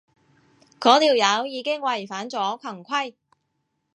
嗰條友已經違反咗群規